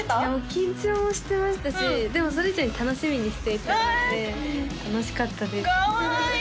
緊張もしてましたしでもそれ以上に楽しみにしていたので楽しかったですかわいい！